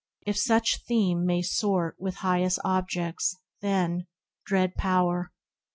If such theme May sort with highest objects, then — dread Power !